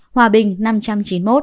hòa bình năm trăm chín mươi một